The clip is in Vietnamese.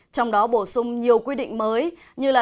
trong đó bổ sung nhiều quy định mới như là